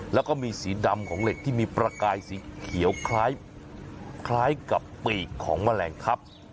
แล้วก็มีสีดำของเหล็กที่มีประกายสีเขียวคล้ายกับปีกของแมลงทับ